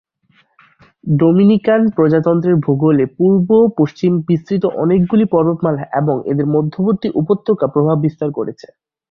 Dominican প্রজাতন্ত্রের ভূগোলে পূর্ব-পশ্চিমে বিস্তৃত অনেকগুলি পর্বতমালা এবং এদের মধ্যবর্তী উপত্যকা প্রভাব বিস্তার করেছে।